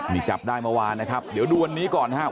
นี่จับได้เมื่อวานนะครับเดี๋ยวดูวันนี้ก่อนนะครับ